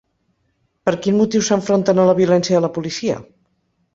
Per quin motiu s’enfronten a la violència de la policia?